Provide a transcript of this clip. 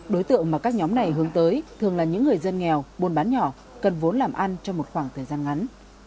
đối tượng mà các nhóm này hướng tới thường là những người dân nghèo buôn bán nhỏ cần vốn làm ăn trong một khoảng thời gian ngắn